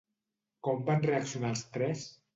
Com van reaccionar els tres?